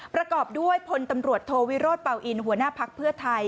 ประกอบด้วยพลตำรวจโทวิโรธเป่าอินหัวหน้าภักดิ์เพื่อไทย